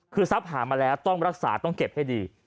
คือทรัพย์หามาแล้วต้องรักษาต้องเก็บให้ดี